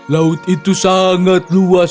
laut itu sangat luas